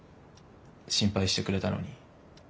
心配してくれたのに。